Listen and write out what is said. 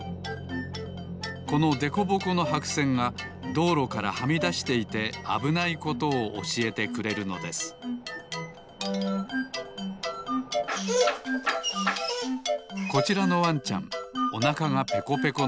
このでこぼこのはくせんがどうろからはみだしていてあぶないことをおしえてくれるのですこちらのワンちゃんおなかがペコペコのようです